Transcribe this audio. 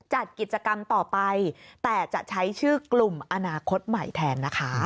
จัดกิจกรรมต่อไปแต่จะใช้ชื่อกลุ่มอนาคตใหม่แทนนะคะ